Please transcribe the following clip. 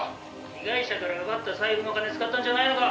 被害者から奪った財布の金使ったんじゃないのか？